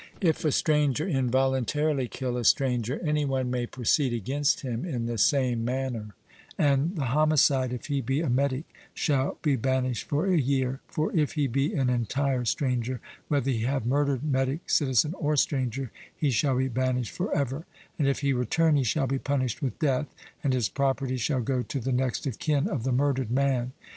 If a stranger involuntarily kill a stranger, any one may proceed against him in the same manner: and the homicide, if he be a metic, shall be banished for a year; but if he be an entire stranger, whether he have murdered metic, citizen, or stranger, he shall be banished for ever; and if he return, he shall be punished with death, and his property shall go to the next of kin of the murdered man.